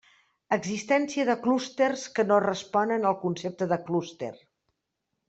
Existència de clústers que no responen al concepte de clúster.